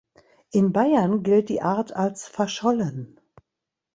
In Bayern gilt die Art als verschollen.